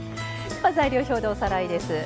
材料表でおさらいです。